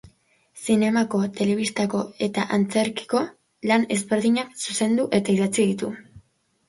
Zinemako, telebistako eta antzerkiko lan ezberdinak zuzendu eta idatzi ditu.